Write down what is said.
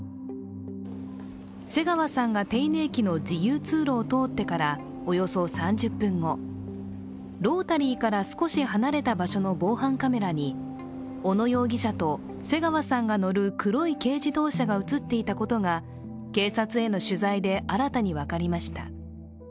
瀬川さんが手稲駅の自由通路を通ってからおよそ３０分後、ロータリーから少し離れた場所の防犯カメラに小野容疑者と瀬川さんが乗る黒い軽自動車が映っていたことが警察への取材で新たに分かりました。